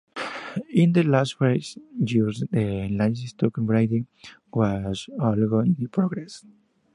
In the last few years the livestock-breeding was also in progress.